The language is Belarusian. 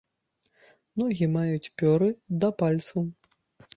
Ногі маюць пёры да пальцаў.